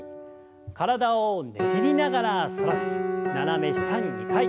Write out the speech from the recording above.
体をねじりながら反らせて斜め下に２回。